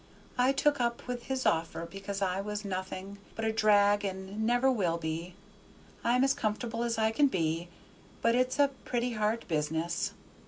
I took up with his offer because I was nothing but a drag and never will be. I'm as comfortable as I can be, but it's a pretty hard business.